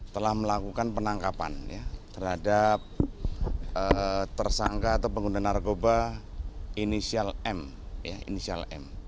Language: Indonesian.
telah melakukan penangkapan terhadap tersangka atau pengguna narkoba inisial m